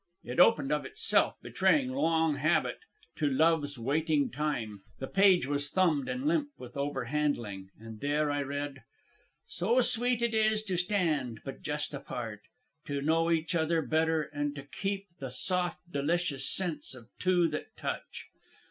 It opened of itself, betraying long habit, to 'Love's Waiting Time.' The page was thumbed and limp with overhandling, and there I read: "'So sweet it is to stand but just apart, To know each other better, and to keep The soft, delicious sense of two that touch...